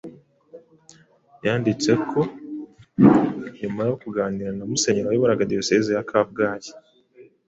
yanditse ko nyuma yo kuganira na Musenyeri wayoboraga Diyosezi ya Kabgayi